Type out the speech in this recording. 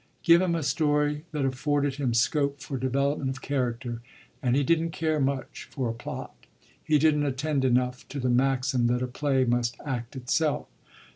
Give him a story that afforded him scope for development of character, and he didn't care much for a plot; he didn't attend enough to the maxim that a play must act itself.